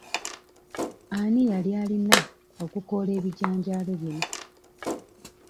Ani yali alina okukoola ebijanjaalo bino?